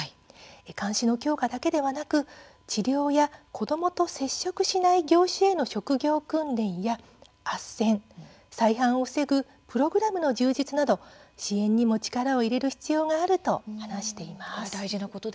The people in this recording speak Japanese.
監視の強化だけではなく、治療や子どもと接触しない業種への職業訓練や、あっせん再犯を防ぐプログラムの充実など支援にも力を入れる必要があると話しています。